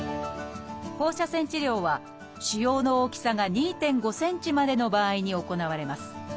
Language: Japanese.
放射線治療は腫瘍の大きさが２．５ｃｍまでの場合に行われます。